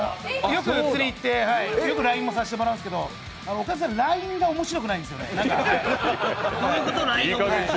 よく、釣りいってＬＩＮＥもさせてもらうんですけどオカダさん、ＬＩＮＥが面白くないんですよね。